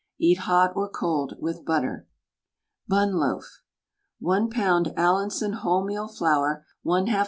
Eat hot or cold with butter. BUN LOAF. 1 lb. Allinson wholemeal flour, 1/2 lb.